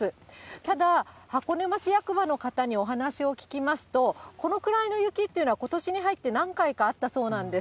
ただ、箱根町役場の方にお話を聞きますと、このくらいの雪っていうのは、ことしに入って何回かあったそうなんです。